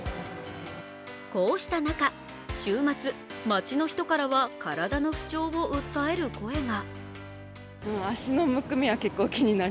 こうした中、週末、街の人からは体の不調を訴える声が。